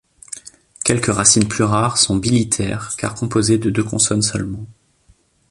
Quelques racines plus rares sont bilitères, car composées de deux consonnes seulement.